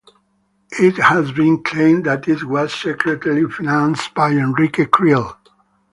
It has been claimed that it was secretly financed by Enrique Creel.